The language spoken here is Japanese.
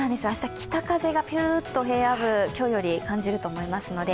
明日、北風がピューッと平野部、今日より感じると思います。